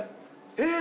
えっ？